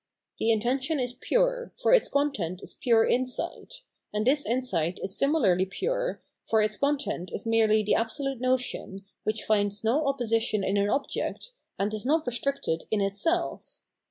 * The intention is pure, for its content is pure insight; and this insight is similarly pure, for its content is merely the absolute notion, which finds no opposition in an object, and is not restricted in itself.